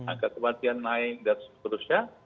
angka kematian naik dan seterusnya